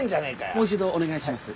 もう一度お願いします。